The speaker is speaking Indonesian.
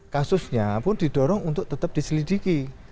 kasusnya pun didorong untuk tetap diselidiki